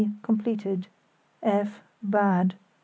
.. completed." "F. .. bad.